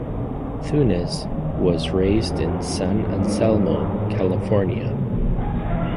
Thunes was raised in San Anselmo, California.